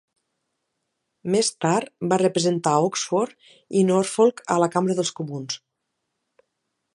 Més tard va representar Oxford i Norfolk a la Cambra dels Comuns.